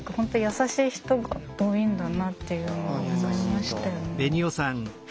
優しい人が多いんだなっていうのは思いましたね。